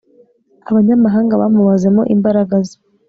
abanyamahanga bamumazemo imbaraga ze